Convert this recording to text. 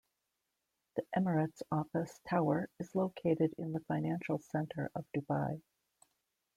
The Emirates Office Tower is located in the financial centre of Dubai.